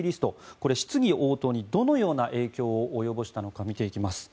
これ、質疑応答にどのような影響を及ぼしたのか見ていきます。